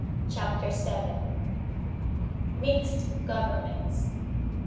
CHAPTER VIL Mixed Governments.